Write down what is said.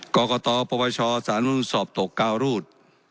กรกตประวัติศาสนุนสอบตก๙รูด